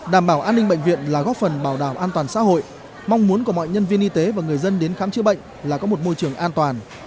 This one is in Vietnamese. đảm bảo an ninh bệnh viện là góp phần bảo đảm an toàn xã hội mong muốn của mọi nhân viên y tế và người dân đến khám chữa bệnh là có một môi trường an toàn